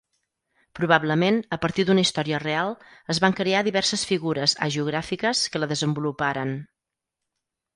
Probablement, a partir d'una història real, es van crear diverses figures hagiogràfiques que la desenvoluparen.